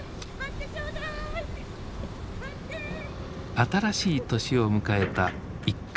新しい年を迎えた一家。